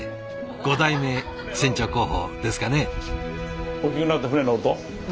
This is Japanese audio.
５代目船長候補ですかね？